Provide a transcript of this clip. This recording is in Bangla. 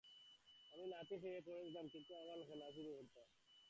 আমি লাথি খেয়ে পড়ে যেতাম, কিন্তু আমি আবার খেলা শুরু করতাম।